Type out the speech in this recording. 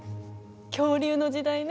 恐竜の時代ね。